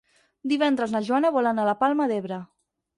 Divendres na Joana vol anar a la Palma d'Ebre.